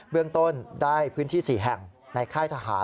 เรื่องต้นได้พื้นที่๔แห่งในค่ายทหาร